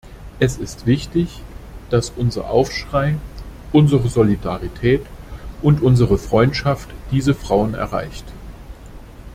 Es ist wichtig, dass unser Aufschrei, unsere Solidarität und unsere Freundschaft diese Frauen erreicht.